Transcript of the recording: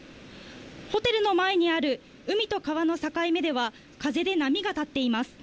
ホテルの前にある、海と川の境目では風で波が立っています。